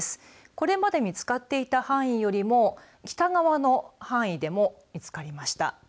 これまで見つかっていた範囲よりも北側の範囲でも見つかりました。